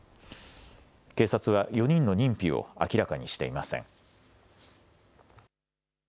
警察は、４人の認否を明らかにしていません。